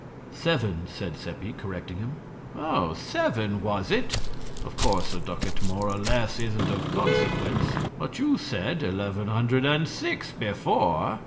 "Seven," said Seppi, correcting him. "Oh, seven, was it? Of course a ducat more or less isn't of consequence, but you said eleven hundred and six before."